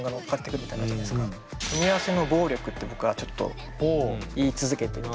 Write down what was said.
「組み合わせの暴力」って僕はちょっと言い続けていて。